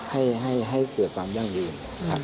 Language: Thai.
ให้เกิดความย่างยืน